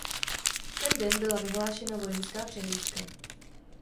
Ten den byla vyhlášena vojenská přehlídka.